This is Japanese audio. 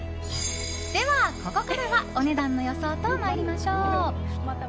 では、ここからはお値段の予想と参りましょう。